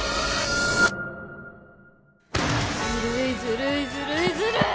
ずるいずるいずるいずるい！